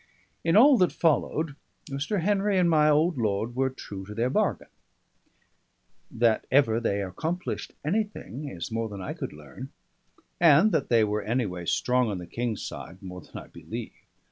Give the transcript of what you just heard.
In all that followed, Mr. Henry and my old lord were true to their bargain. That ever they accomplished anything is more than I could learn; and that they were anyway strong on the King's side, more than I believe.